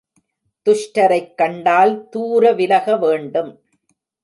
துஷ்டரைக் கண்டால் தூர விலகவேண்டும்.